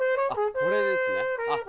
これですねあっ